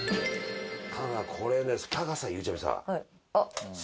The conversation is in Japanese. ただこれねフタがさゆうちゃみさ。